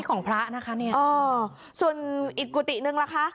ของพระนะคะเนี่ยส่วนอีกกุฏินึงล่ะคะ